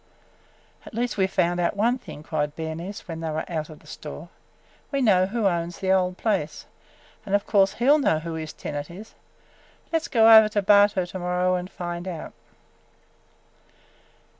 "At least we 've found out one thing!" cried Bernice when they were out of the store. "We know who owns the old place, and of course he 'll know who his tenant is. Let 's go over to Bartow to morrow and find out!"